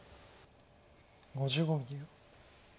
５５秒。